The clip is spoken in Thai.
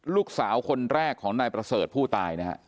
ลูกสาวคนแรกของไหนประเสริฐผู้ตาย